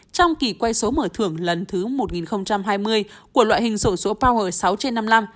trong kỳ quay số mở thưởng lần thứ một nghìn hai mươi của loại hình sổ số power sáu trên năm mươi năm